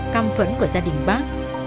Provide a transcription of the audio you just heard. căm phá cho gia đình phát triển